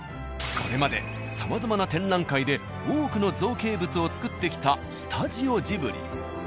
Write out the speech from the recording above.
これまでさまざまな展覧会で多くの造形物をつくってきたスタジオジブリ。